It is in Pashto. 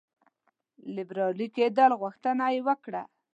لیري کېدلو غوښتنه یې وکړه.